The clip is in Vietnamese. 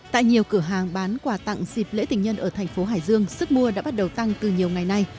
tại nhiều cửa hàng bán quà tặng dịp lễ tình nhân ở thành phố hải dương sức mua đã bắt đầu tăng từ nhiều ngày nay